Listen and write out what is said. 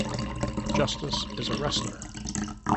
Justus is a wrestler.